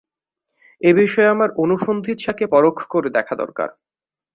এ বিষয়ে আমার অনুসন্ধিৎসাকে পরখ করে দেখা দরকার।